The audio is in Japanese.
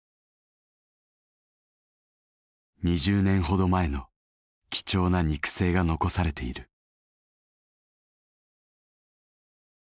２０年ほど前の貴重な肉声が残されている。